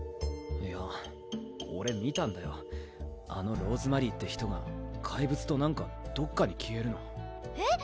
いやオレ見たんだよあのローズマリーって人が怪物となんかどっかに消えるのえっ？